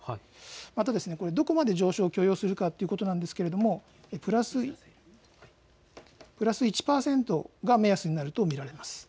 また、どこまで上昇を許容するかということなんですけれども、プラス１％が目安になると見られます。